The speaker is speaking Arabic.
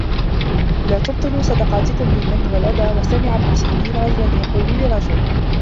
لَا تُبْطِلُوا صَدَقَاتِكُمْ بِالْمَنِّ وَالْأَذَى وَسَمِعَ ابْنُ سِيرِينَ رَجُلًا يَقُولُ لِرَجُلٍ